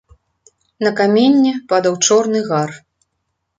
На каменне падаў чорны гар.